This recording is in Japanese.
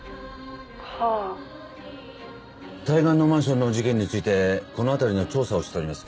・はぁ・対岸のマンションの事件についてこの辺りの調査をしております。